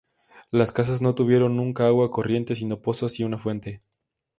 Las casas no tuvieron nunca agua corriente sino pozos y una fuente.